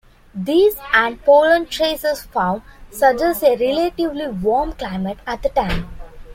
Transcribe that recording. This, and pollen traces found, suggests a relatively warm climate at the time.